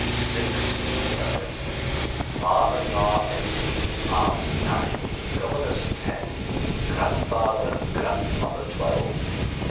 'Six,' said that gentleman; 'pa and ma eight, aunt nine, governess ten, grandfather and grandmother twelve.